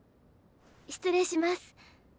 失礼します。